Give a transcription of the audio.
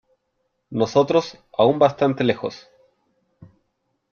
nosotros , aún bastante lejos ,